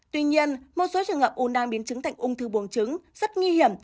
tuy nhiên một số trường hợp u năng biến trứng thành ung thư buồng trứng rất nghi hiểm